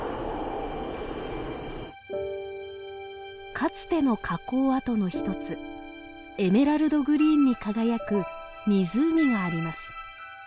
かつての火口跡の一つエメラルドグリーンに輝く湖があります。